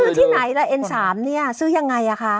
ซื้อที่ไหนละเอ็น๓นี้ซื้อย่างไรคะ